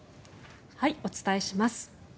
お伝えします。